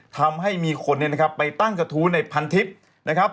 ทำให้มีคนไปตั้งกระทูในพันทิศนะครับ